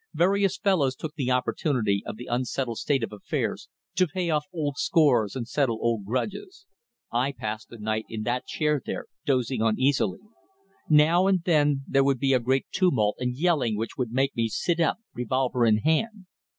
Various fellows took the opportunity of the unsettled state of affairs to pay off old scores and settle old grudges. I passed the night in that chair there, dozing uneasily. Now and then there would be a great tumult and yelling which would make me sit up, revolver in hand.